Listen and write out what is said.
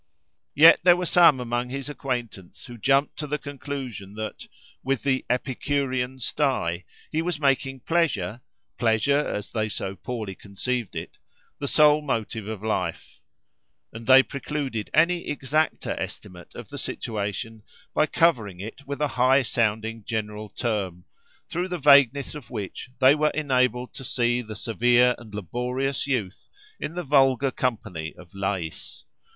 Yet there were some among his acquaintance who jumped to the conclusion that, with the "Epicurean stye," he was making pleasure—pleasure, as they so poorly conceived it—the sole motive of life; and they precluded any exacter estimate of the situation by covering it with a high sounding general term, through the vagueness of which they were enabled to see the severe and laborious youth in the vulgar company of Lais.